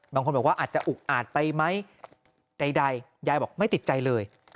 บางคนบอกว่าอาจจะอุกอาจไปไหมใดยายบอกไม่ติดใจเลย